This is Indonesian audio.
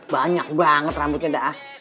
banyak banget rambutnya dah